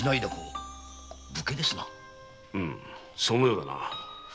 そのようだな。